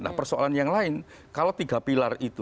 nah persoalan yang lain kalau tiga pilar itu